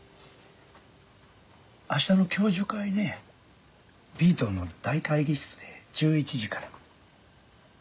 明日の教授会ねＢ棟の大会議室で１１時から。